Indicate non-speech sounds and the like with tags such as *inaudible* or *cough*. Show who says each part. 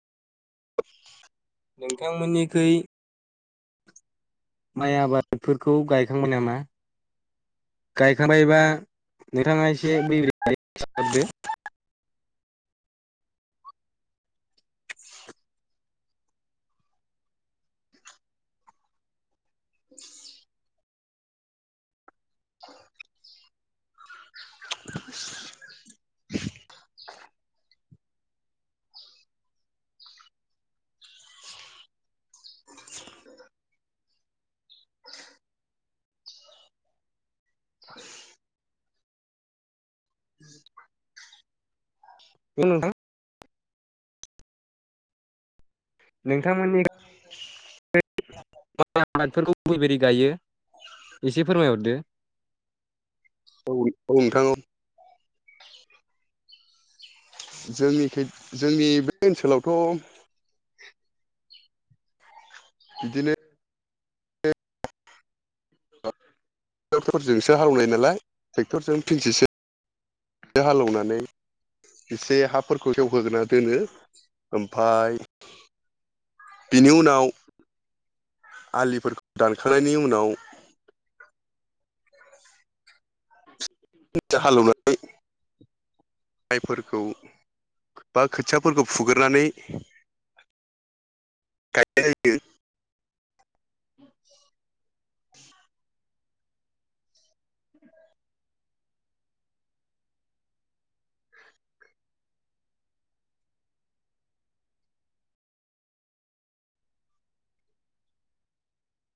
Speaker 1: *inaudible*
Speaker 2: नोंथांमोननिखै माइ आबादफोरखौ गायखांबाय नामा? गायखांबायबा नोंथाङा एसे बै *unintelligible*
Speaker 1: *inaudible* *inaudible* *inaudible* *inaudible*
Speaker 2: हेलौ नोंथां। नोंथांमोननि
Speaker 1: *inaudible*
Speaker 2: *unintelligible* माय आबादफोरखौ बोरै बोरै गायो एसे फोरमायहरदो।
Speaker 1: औ औ नोंथां औ। जोंनिखै जोंनि बे ओनसोलावथ' बिदिनो ट्रेक्टरफोरजोंसो हालौनाय नालाय ट्रेक्ट'रजों फिनसेसो हालौनानै एसे हाफोरखौ सेवहोग्रोना दोनो। ओमफाय बिनि उनाव आलिफोरखौ दानखानायनि उनाव *unintelligible* हाललनाय माइफोरखौ बा खोथियाफोरखौ फुगोरनानै गायनाय जायो।